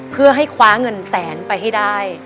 เพื่อให้คว้าเงินแสนไปให้ได้